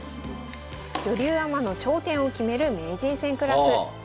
女流アマの頂点を決める名人戦クラス。